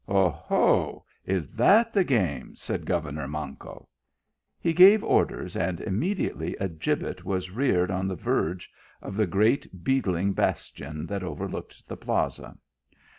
" O ho ! is that the game ?" said governor Manco : he gave orders, and immediately a gibbet was reared on the verge of the great beetling bastion that over looked the Plaza.